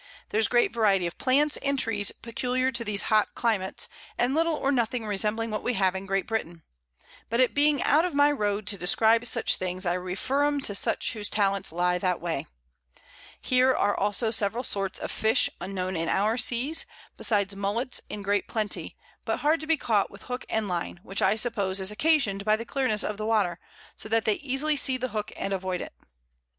There's great Variety of Plants and Trees peculiar to these hot Climates, and little or nothing resembling what we have in Great Britain; but it being out of my Road to describe such things, I refer 'em to such whose Talents lie that way. Here are also several sorts of Fish unknown in our Seas, besides Mullets in great Plenty, but hard to be caught with Hook and Line, which I suppose is occasion'd by the Clearness of the Water, so that they easily see the Hook and avoid it.